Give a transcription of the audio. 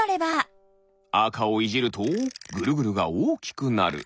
あかをいじるとぐるぐるがおおきくなる。